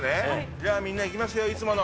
じゃあ、みんないきますよ、いつもの。